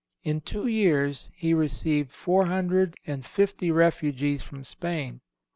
In two years he received four hundred and fifty refugees from Spain.